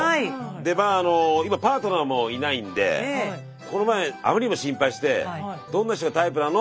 で今パートナーもいないんでこの前あまりにも心配して「どんな人がタイプなの？」